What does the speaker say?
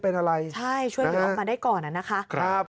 เออใช่ใช่ช่วยไปออกมาได้ก่อนอะนะคะครับดีเด็กไม่เป็นอะไร